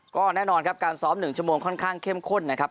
ก็แน่นอนครับการซ้อม๑ชั่วโมงค่อนข้างเข้มข้นนะครับ